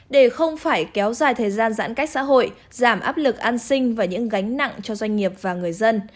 để không phải kéo dài thời gian giãn cách xã hội giảm áp lực an sinh và những gánh nặng cho doanh nghiệp và người dân